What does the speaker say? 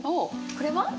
これは？